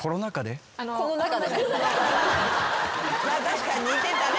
まあ確かに似てたね